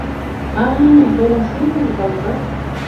А-а, толын шуын улыда, ужат?